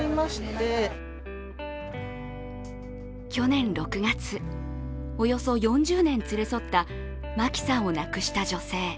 去年６月、およそ４０年連れ添った真樹さんを亡くした女性。